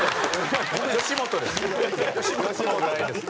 吉本です。